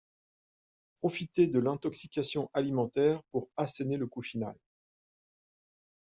Profiter de l'intoxication alimentaire pour ass'ener le coup final.